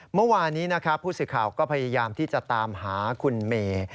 เมื่อวานี้พูดสิทธิ์ข่าวก็พยายามที่จะตามหาคุณเมย์